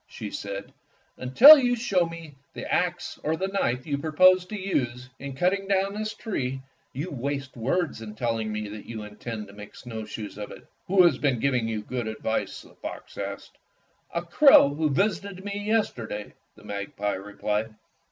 she said, "until you show me the axe or the knife you propose to use in 131 Fairy Tale Foxes cutting down this tree, you waste words in telling me that you intend to make snowshoes of it." "Who has been giving you good advice?" the fox asked. "A crow who visited me yesterday," the magpie replied.